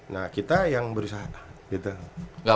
nah kita yang berusaha